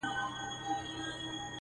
• چي یې زده نه وي وهل د غلیمانو -